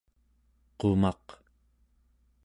qumaq